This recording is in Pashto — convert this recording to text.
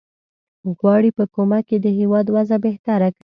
غواړي په کومک یې د هیواد وضع بهتره کړي.